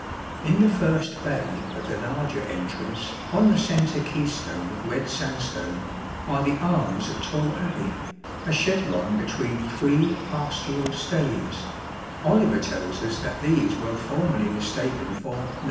In the first bay of the larger entrance, on the centre keystone of red sandstone are the arms of Torre Abbey, a chevron between three pastoral staves ; Oliver tells us that these were formerly mistaken for 999.